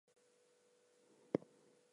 I need another clipboard, please.